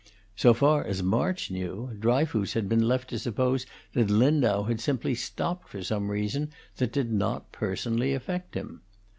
So far as March knew, Dryfoos had been left to suppose that Lindau had simply stopped for some reason that did not personally affect him.